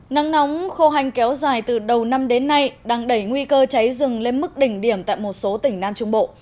nắng nóng khô hành kéo dài từ đầu năm đến nay đang đẩy nguy cơ cháy rừng lên mức đỉnh điểm tại một số tỉnh nam trung bộ